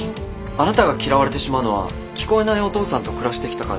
あなたが嫌われてしまうのは聞こえないお父さんと暮らしてきたからでは？